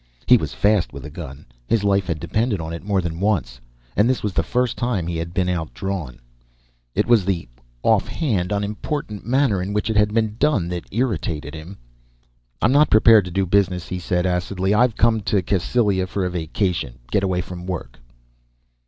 He was fast with a gun his life had depended on it more than once and this was the first time he had been outdrawn. It was the offhand, unimportant manner it had been done that irritated him. "I'm not prepared to do business," he said acidly. "I've come to Cassylia for a vacation, get away from work."